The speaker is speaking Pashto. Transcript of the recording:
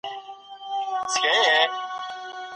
که نن بیه لوړه ده سبا ممکن ټیټه وي.